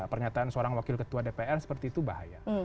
pernyataan seorang wakil ketua dpr seperti itu bahaya